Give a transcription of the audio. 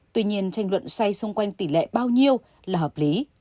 tuy nhiên tranh luận xoay xung quanh tỷ lệ bao nhiêu là hợp lý